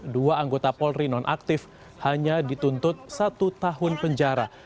dua anggota polri nonaktif hanya dituntut satu tahun penjara